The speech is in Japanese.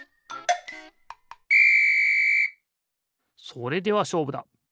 それではしょうぶだ！